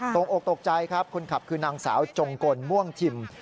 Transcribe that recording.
ตกอกตกใจครับคนขับคือนางสาวจงกลม่วงทิม